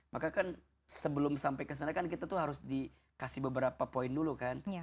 maka kan sebelum sampai ke sana kan kita tuh harus dikasih beberapa poin dulu kan